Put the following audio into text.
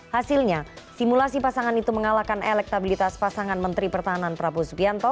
hasilnya simulasi pasangan itu mengalahkan elektabilitas pasangan menteri pertahanan prabowo subianto